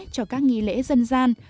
cho các nghỉ lễ dân gian